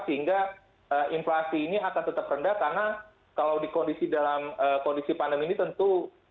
sehingga inflasi ini akan tetap rendah karena kalau di kondisi dalam kondisi pandemi ini tentu